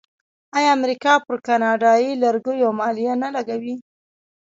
آیا امریکا پر کاناډایی لرګیو مالیه نه لګوي؟